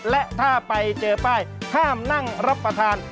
และถ้าไปเจอป้ายห้ามนั่งรับประทาน